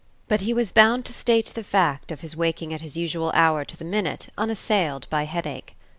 But he was bound to state the fact of his waking at his usual hour to the minute unassailed by headache.